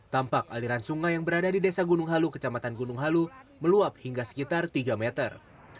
tampak aliran sungai yang berada di desa gunung halu kecamatan gunung halu meluap hingga sekitar tiga meter